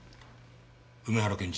梅原検事